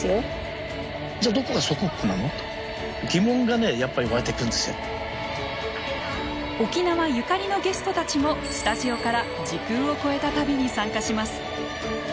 だって沖縄ゆかりのゲストたちもスタジオから時空を超えた旅に参加します。